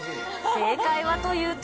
正解はというと。